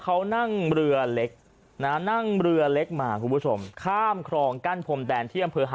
เขานั่งเรือเล็กนะนั่งเรือเล็กมาคุณผู้ชมข้ามครองกั้นพรมแดนที่อำเภอหาด